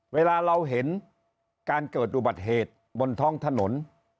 เวลาเราเห็นการเกิดอุบัติเหตุบนท้องถนน